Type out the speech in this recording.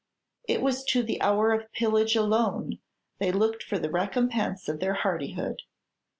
It was to the hour of pillage alone they looked for the recompense of their hardihood.